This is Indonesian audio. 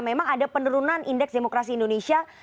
memang ada penurunan indeks demokrasi indonesia